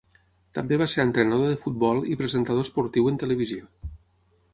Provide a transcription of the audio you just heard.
També va ser entrenador de futbol i presentador esportiu en televisió.